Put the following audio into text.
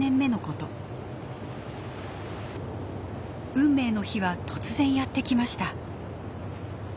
運命の日は突然やってきました。